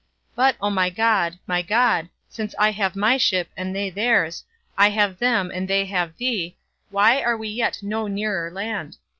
But, O my God, my God, since I have my ship and they theirs, I have them and they have thee, why are we yet no nearer land?